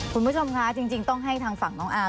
คุณผู้ชมคะจริงต้องให้ทางฝั่งน้องอาร์